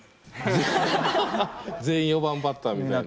全員４番バッターみたいな。